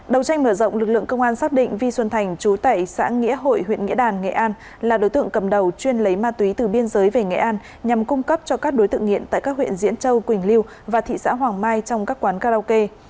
đầu tranh mở rộng lực lượng công an xác định vi xuân thành chú tẩy xã nghĩa hội huyện nghĩa đàn nghệ an là đối tượng cầm đầu chuyên lấy ma túy từ biên giới về nghệ an nhằm cung cấp cho các đối tượng nghiện tại các huyện diễn châu quỳnh liêu và thị xã hoàng mai trong các quán karaoke